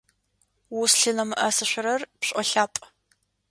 Узлъынэмыӏэсышъурэр пшӏолъапӏ.